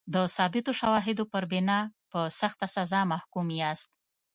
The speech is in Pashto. د ثابتو شواهدو پر بنا په سخته سزا محکوم یاست.